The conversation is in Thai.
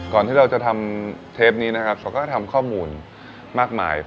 ก่อนที่เราจะทำเทปนี้ก็กระทำข้อมูลมากมาย